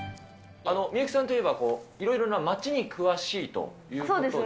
幸さんといえば、いろいろな街に詳しいということで。